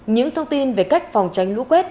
những thông tin về cách phòng tranh lũ quét